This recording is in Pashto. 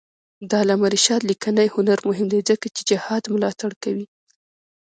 د علامه رشاد لیکنی هنر مهم دی ځکه چې جهاد ملاتړ کوي.